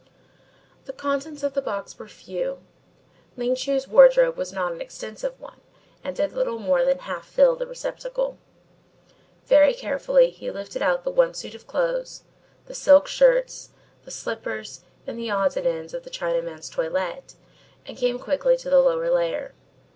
The contents of the box were few. Ling Chu's wardrobe was not an extensive one and did little more than half fill the receptacle. Very carefully he lifted out the one suit of clothes, the silk shirts, the slippers and the odds and ends of the Chinaman's toilet and came quickly to the lower layer.